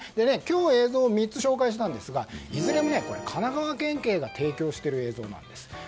今日、映像を３つ紹介したんですがいずれも神奈川県警が提供している映像なんです。